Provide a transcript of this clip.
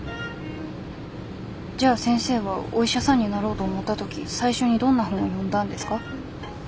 じゃあ先生はお医者さんになろうと思った時最初にどんな本を読んだんですか？